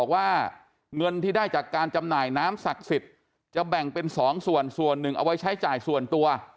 ว่าน้ำศักดิ์สิทธิ์จะแบ่งเป็นสองส่วนส่วนหนึ่งเอาไว้ใช้จ่ายส่วนตัว